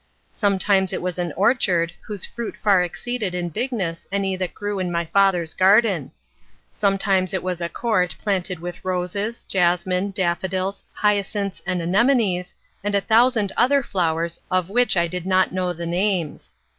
Sometimes it was an orchard, whose fruit far exceeded in bigness any that grew in my father's garden. Sometimes it was a court planted with roses, jessamine, dafeodils, hyacinths and anemones, and a thousand other flowers of which I did not know the names.